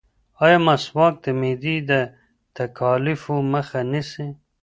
ایا مسواک د معدې د تکالیفو مخه نیسي؟